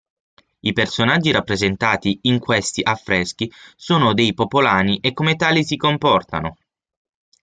I personaggi rappresentati in questi affreschi sono dei popolani e come tali si comportano.